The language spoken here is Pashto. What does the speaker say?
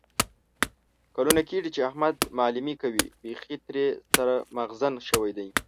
کلونه کېږي چې احمد معلیمي کوي. بیخي ترې سر مغزن شوی دی.